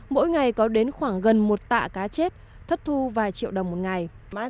mỗi ngày có đến khoảng gần một tạ cá chết thất thu vài triệu đồng một ngày